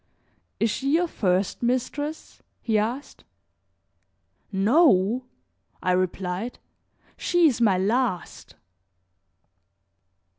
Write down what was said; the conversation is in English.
"Is she your first mistress?" he asked. "No!" I replied, "she is my last."